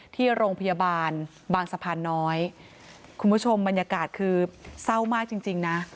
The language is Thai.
ที่โรงพยาบาลบางสะพานน้อยคุณผู้ชมบรรยากาศคือเศร้ามากจริงจริงนะ